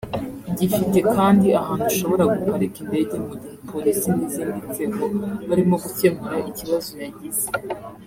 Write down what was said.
Gifite kandi ahantu ushobora guparika indege mu gihe polisi n’izindi nzego barimo gukemura ikibazo yagize